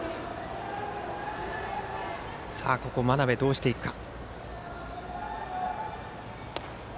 真鍋、どうしていくか。